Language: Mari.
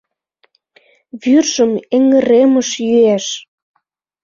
Вӱржым эҥыремыш йӱэш.